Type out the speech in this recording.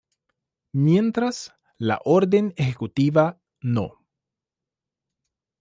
Mientras, la Orden Ejecutiva No.